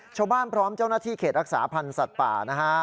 ชาวบ้านพร้อมเจ้าหน้าที่เขตรักษาพันธ์สัตว์ป่า